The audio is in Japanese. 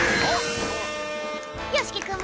よしきくん